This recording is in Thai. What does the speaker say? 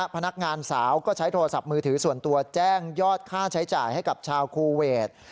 พนักงานสาวก็ใช้โทรศัพท์มือถือส่วนตัวแจ้งยอดค่าใช้จ่ายให้กับชาวคูเวท